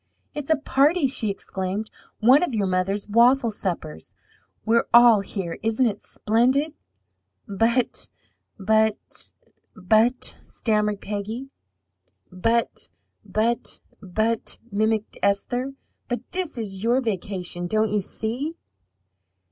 "It's a party!" she exclaimed. "One of your mother's waffle suppers! We're all here! Isn't it splendid?" "But, but, but " stammered Peggy. "'But, but, but,'" mimicked Esther. "But this is your vacation, don't you see?"